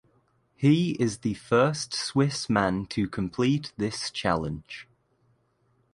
He is the first swiss man to complete this challenge.